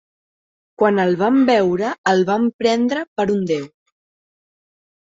Quan el van veure el van prendre per un déu.